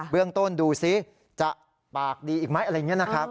เรื่องต้นดูซิจะปากดีอีกไหมอะไรอย่างนี้นะครับ